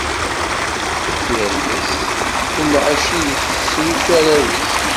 Tifirellest, lɛecc ideg tesrusu arraw-is.